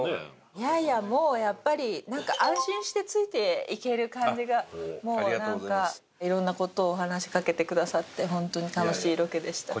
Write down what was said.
いやいやもうやっぱりなんか安心してついていける感じがもうなんかいろんな事を話しかけてくださって本当に楽しいロケでした。